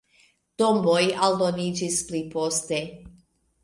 Tomboj aldoniĝis pli poste.